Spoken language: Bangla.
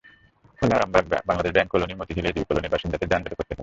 ফলে Arambagh, Bangladesh bank colony, Motijheel AGB কলোনির বাসিন্দাদের যানজটে পড়তে হয়।